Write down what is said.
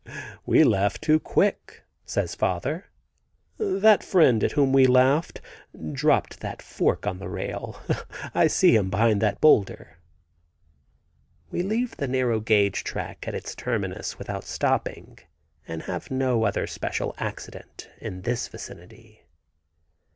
"We laughed too quick," says father. "That friend at whom we laughed dropped that fork on the rail. I see him behind that boulder." We leave the narrow gauge track at its terminus without stopping, and have no other special accident in this vicinity.